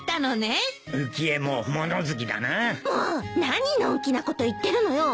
何のんきなこと言ってるのよ。